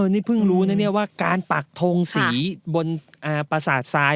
นี่เพิ่งรู้นะเนี่ยว่าการปักทงสีบนประสาทซ้าย